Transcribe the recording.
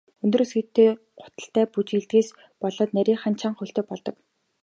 Өндөр өсгийтэй гуталтай бүжиглэдгээс болоод нарийхан, чанга хөлтэй болгодог.